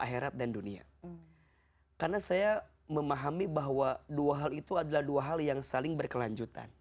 akhirat dan dunia karena saya memahami bahwa dua hal itu adalah dua hal yang saling berkelanjutan